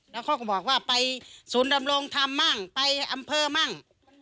แล้วเขาก็บอกว่าไปศูนย์ดำรงธรรมมั่งไปอำเภอมั่ง